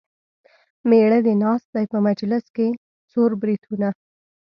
مېړه دې ناست دی په مجلس کې څور بریتونه.